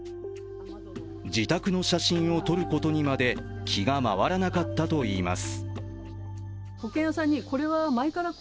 自宅の写真を撮ることにまで気が回らなかったといいます。